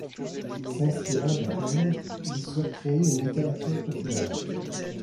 S'inspirant de Heine, il souhaite créer une littérature populaire.